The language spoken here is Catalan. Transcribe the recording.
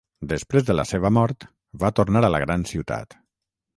Després de la seva mort, va tornar a la gran ciutat.